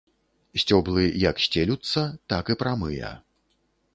Сцеблы як сцелюцца, так і прамыя.